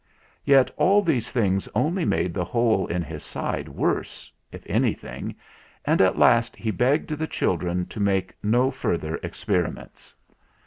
Yet all these things only made the hole in his side worse, if any thing, and at last he begged the children to make no further experiments.